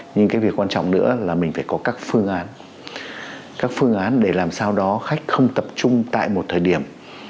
nhưng cái việc quan trọng nữa là mình phải có các phương án các phương án để làm sao đó khách không tập trung tại một thời điểm